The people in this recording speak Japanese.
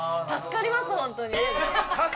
助かります！？